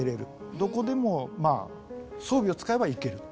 どこでも装備を使えば行けると。